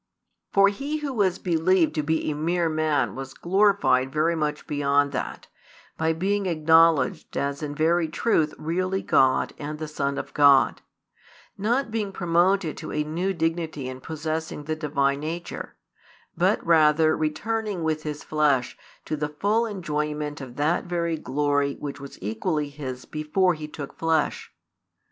For He Who was believed to be a mere man was glorified very much beyond that, by being acknowledged as in very truth really God and the Son of God; not being promoted to a new dignity in possessing the Divine nature, but rather returning with His flesh to the full enjoyment of that very glory which was equally His before He took flesh.